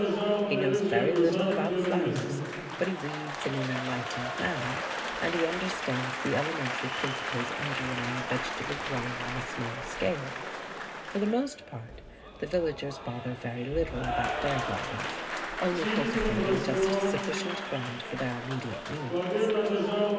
He knows very little about flowers, but he weeds in an enlightened manner, and he understands the elementary principles underlying vegetable growing on a small scale. For the most part the villagers bother very little about their gardens, only cultivating just sufficient ground for their immediate needs.